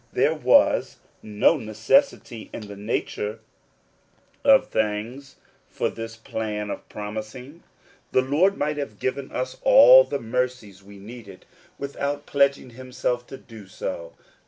There was no The Peculiar Treasure of Believers. 53 necessity in the nature of things for this plan of promising. The Lord might have given us all the mercies we needed, without pledging himself to do so.